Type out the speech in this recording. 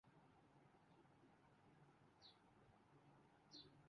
سال کے لیے پالتو خوراک حجم سطح کے برابر تھا کمپنی نے کہا